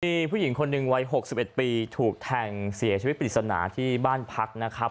มีผู้หญิงคนหนึ่งวัย๖๑ปีถูกแทงเสียชีวิตปริศนาที่บ้านพักนะครับ